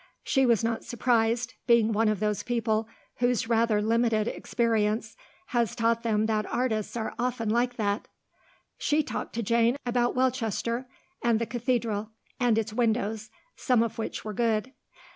She was not surprised, being one of those people whose rather limited experience has taught them that artists are often like that. She talked to Jane about Welchester, and the Cathedral, and its windows, some of which were good.